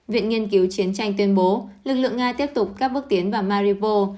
viện nghiên cứu chiến tranh tuyên bố lực lượng nga tiếp tục các bước tiến vào maripo